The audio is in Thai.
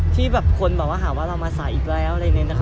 ที่คนเรื่องว่าเรามาสายอีกแล้ว